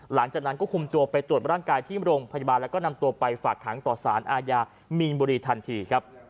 หลังจากนั้นก็คุมตัวไปตรวจร่างกายที่โรงพยาบาลแล้วก็นำตัวไปฝากขังต่อสารอาญามีนบุรีทันทีครับ